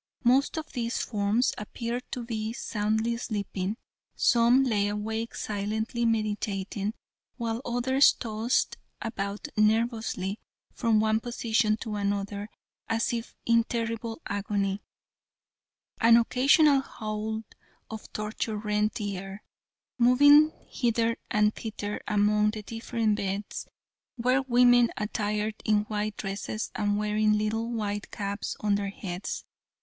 Most of these forms appeared to be soundly sleeping, some lay awake silently meditating, while others tossed about nervously from one position to another as if in terrible agony. An occasional howl of torture rent the air. Moving hither and thither among the different beds were women attired in white dresses and wearing little white caps on their heads.